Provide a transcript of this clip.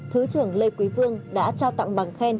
thứ trưởng lê quý vương đã trao tặng bằng khen